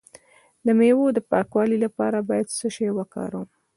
د میوو د پاکوالي لپاره باید څه شی وکاروم؟